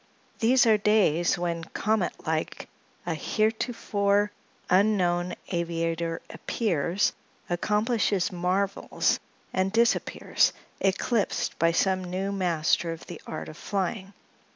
These are days when, comet like, a heretofore unknown aviator appears, accomplishes marvels and disappears, eclipsed by some new master of the art of flying.